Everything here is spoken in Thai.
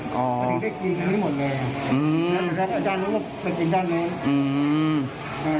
พอถึงได้กินทั้งทั้งหมดเลย